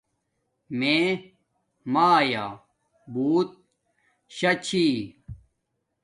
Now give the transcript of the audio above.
میے مایا بوت شاہ چھی